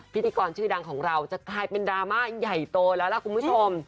พิธีกรชื่อดังของเราจะกลายเป็นดราม่าใหญ่โตแล้วล่ะคุณผู้ชม